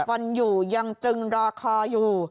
วันอยู่ยังจึงรอคออยู่